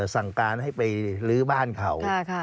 สั่งการให้ไปลื้อบ้านเขา